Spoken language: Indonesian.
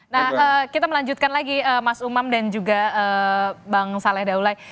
nah kita melanjutkan lagi mas umam dan juga bang saleh daulai